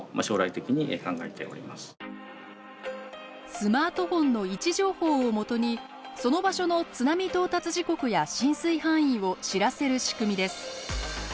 スマートフォンの位置情報を基にその場所の津波到達時刻や浸水範囲を知らせる仕組みです。